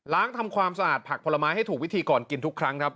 ทำความสะอาดผักผลไม้ให้ถูกวิธีก่อนกินทุกครั้งครับ